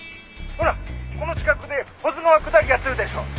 「ほらこの近くで保津川下りやってるでしょ」